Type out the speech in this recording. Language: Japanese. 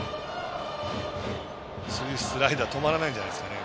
次、スライダー止まらないんじゃないですかね。